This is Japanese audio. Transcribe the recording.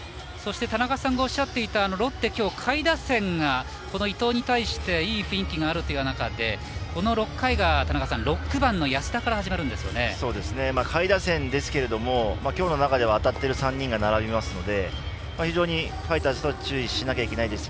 田中さんがおっしゃっていたロッテはきょうは下位打線が伊藤に対していい雰囲気があるという中でこの６回が６番の安田から下位打線ですけれどもきょうの中では当たっている３人が並びますので、非常にファイターズは注意しなければいけないです。